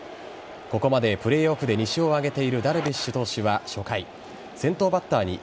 ここまでプレーオフで２勝を挙げているダルビッシュ投手は初回先頭バッターに